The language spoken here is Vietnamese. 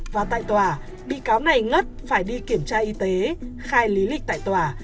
và tại tòa bị cáo này ngất phải đi kiểm tra y tế khai lý lịch tại tòa